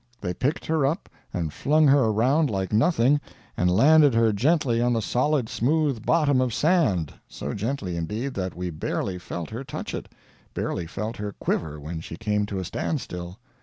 They picked her up and flung her around like nothing and landed her gently on the solid, smooth bottom of sand so gently, indeed, that we barely felt her touch it, barely felt her quiver when she came to a standstill.